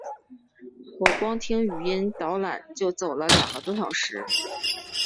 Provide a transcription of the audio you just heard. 我光听语音导览就走了两个多小时